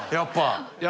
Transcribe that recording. やっぱり！